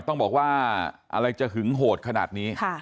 ต้องบอกว่าอะไรจะหึงโหดขนาดนี้